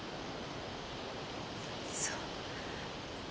そう。